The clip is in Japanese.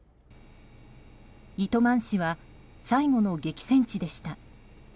糸満市は最後の激戦地でした。